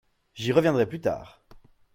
J’y reviendrai plus tard.